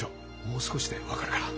もう少しで分かるから。